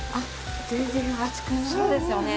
そうですよね。